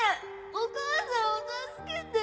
お母さんを助けて！